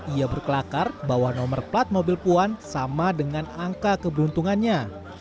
ia berkelakar bahwa nomor plat mobil puan sama dengan angka keberuntungannya